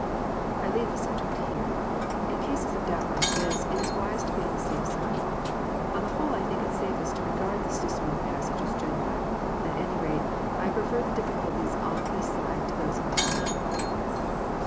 I leave the subject here. In cases of doubt like this, it is wise to be on the safe side. On the whole I think it safest to regard this disputed passage as genuine. At any rate I prefer the difficulties on this side to those on the other.